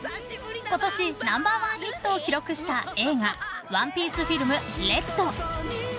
［ことしナンバーワンヒットを記録した映画『ＯＮＥＰＩＥＣＥＦＩＬＭＲＥＤ』］